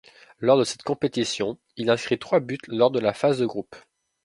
Lors de cette compétition, il inscrit trois buts lors de la phase de groupe.